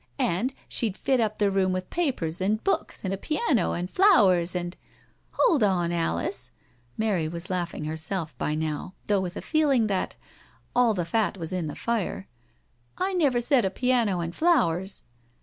And she'd fit up the room with papers and books and a piano, and flowers, and •••" "Hold on, Alice!" — Mary was laughing herself by now, though with a feeling that " all the fat was in the fire "—" I never said a piano and flowers.